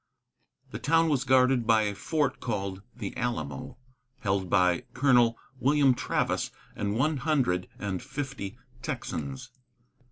The town was guarded by a fort called the Alamo, held by Colonel William Travis and one hundred and fifty Texans.